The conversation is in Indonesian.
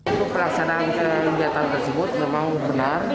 untuk pelaksanaan kegiatan tersebut memang benar